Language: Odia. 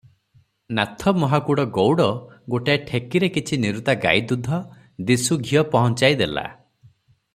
ନାଥ ମହାକୁଡ଼ ଗଉଡ଼ ଗୋଟାଏ ଠେକିରେ କିଛି ନିରୁତା ଗାଈଦୁଧ, ଦିଶୁ ଘିଅ ପହୁଞ୍ଚାଇ ଦେଲା ।